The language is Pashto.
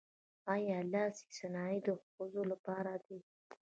آیا لاسي صنایع د ښځو لپاره دي؟